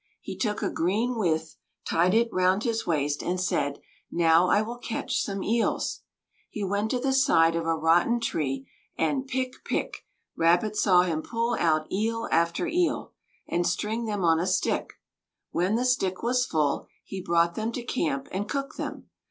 He took a green withe, tied it round his waist, and said: "Now I will catch some eels." He went to the side of a rotten tree, and pick, pick; Rabbit saw him pull out eel after eel, and string them on a stick. When the stick was full, he brought them to camp and cooked them.